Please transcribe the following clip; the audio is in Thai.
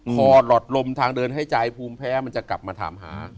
หลอดลมทางเดินให้ใจภูมิแพ้มันจะกลับมาถามหา